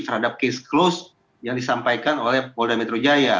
seradap kes close yang disampaikan oleh paul dan metro jaya